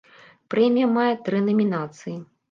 Прэмія мае тры намінацыі.